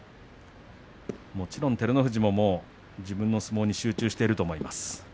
もちろん照ノ富士も自分の相撲に集中していると思います。